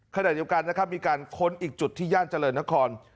ขณะเดียวกันนะครับมีการค้นอีกจุดที่ย่านเจริญนคร